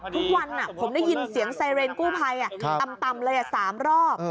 ทุกวันอะผมได้ยินเสียงไซเรนกู้ภัยอะครับตำตำเลยอะสามรอบเออ